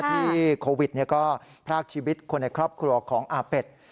โควิดก็พรากชีวิตคนในครอบครัวของอาเป็ด